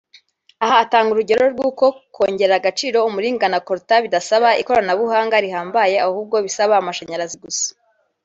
Aha atanga urugero rw’uko kongerera agaciro umuringa na Coltan bidasaba ikoranabuhanga rihambaye ahubwo bisaba amashanyarazi gusa